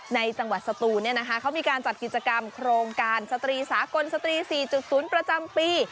ในจังหวัดสตูนเขามีการจัดกิจกรรมโครงการสตรีสากลสตรี๔๐ประจำปี